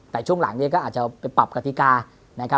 แต่ช่วงหลังนี้ก็อาจจะไปปรับกติกานะครับ